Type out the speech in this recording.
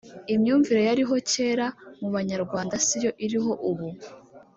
Imyumvire yariho kera mu Banyarwanda siyo iriho ubu